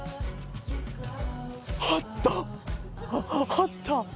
あった！